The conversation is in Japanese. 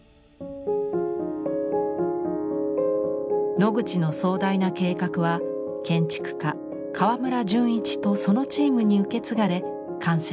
ノグチの壮大な計画は建築家川村純一とそのチームに受け継がれ完成します。